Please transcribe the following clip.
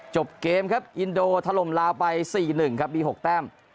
จบเกมครับอินโดถล่มลาวไป๔๑ครับมี๖แต้ม